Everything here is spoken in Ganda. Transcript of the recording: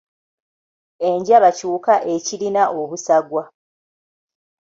Enjaba kiwuka ekirina obusagwa.